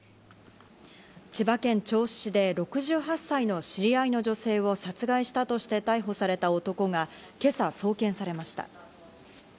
千葉県銚子市で６８歳の知り合いの女性を殺害したとして逮捕された男が今朝送検されました。